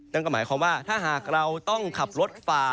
นั่นก็หมายความว่าถ้าหากเราต้องขับรถฝ่า